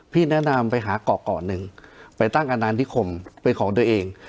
พี่แนะนำไปหาก่อก่อนหนึ่งไปตั้งอาณานิคมไปของตัวเอง